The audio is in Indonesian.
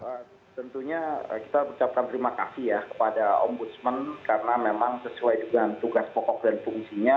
ya tentunya kita ucapkan terima kasih ya kepada ombudsman karena memang sesuai dengan tugas pokok dan fungsinya